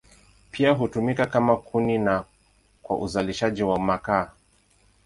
Pia hutumika kama kuni na kwa uzalishaji wa makaa.